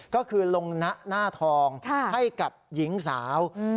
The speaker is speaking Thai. ก็คือลงนะหน้าทองให้กับหญิงสาว